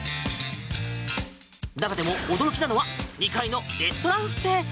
中でも驚きなのは２階のレストランスペース。